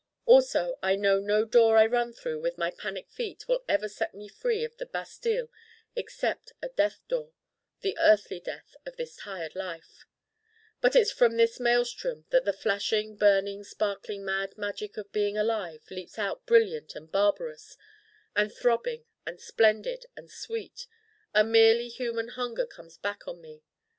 Also I know no door I run through with my panic feet will ever set me free of the bastile except a death door: the earthly death of this tired life But it's from this maelstrom that the flashing burning sparkling mad magic of being alive leaps out brilliant and barbarous and throbbing and splendid and sweet. A merely human hunger comes back on me.